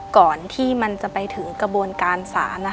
ก่อนที่มันจะไปถึงกระบวนการศาล